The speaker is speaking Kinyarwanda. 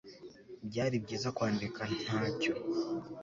Byari byiza kwandika ntacyo